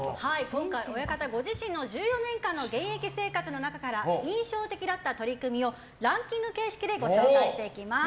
今回、親方ご自身の１４年間の現役生活の中から印象的だった取組をランキング形式でご紹介していきます。